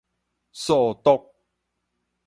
數獨